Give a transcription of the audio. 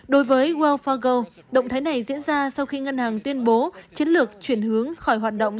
đối với well fago động thái này diễn ra sau khi ngân hàng tuyên bố chiến lược chuyển hướng khỏi hoạt động